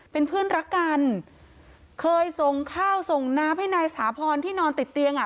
เป็นเพื่อนรักกันเคยส่งข้าวส่งน้ำให้นายสถาพรที่นอนติดเตียงอ่ะ